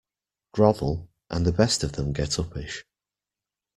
Grovel, and the best of them get uppish.